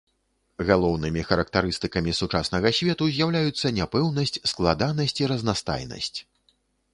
Галоўнымі характарыстыкамі сучаснага свету з'яўляюцца няпэўнасць, складанасць і разнастайнасць.